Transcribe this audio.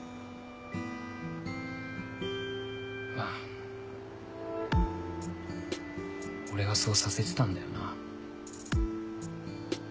まあ俺がそうさせてたんだよな。